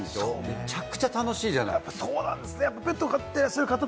めちゃくちゃ楽しいじゃない？